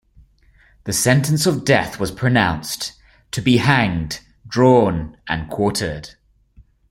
The sentence of death was pronounced - to be hanged, drawn and quartered.